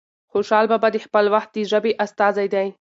خوشال بابا د خپل وخت د ژبې استازی دی.